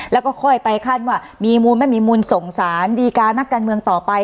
แล้วก็ค่อยไปขั้นว่ามีมูลไม่มีมูลส่งสารดีการักการเมืองต่อไป